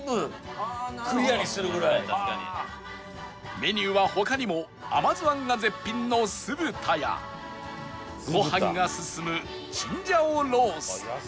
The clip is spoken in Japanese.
メニューは他にも甘酢あんが絶品の酢豚やご飯が進むチンジャオロースー